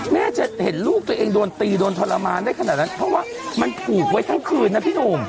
แม่จะเห็นลูกตัวเองโดนตีโดนทรมานได้ขนาดนั้นเพราะว่ามันผูกไว้ทั้งคืนนะพี่หนุ่ม